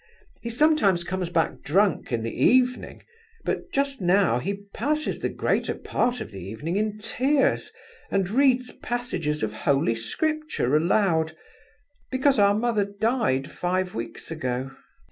He sometimes comes back drunk in the evening; but just now he passes the greater part of the evening in tears, and reads passages of Holy Scripture aloud, because our mother died five weeks ago."